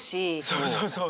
そうそうそう！